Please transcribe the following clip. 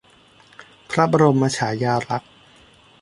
พระบรมฉายาลักษณ์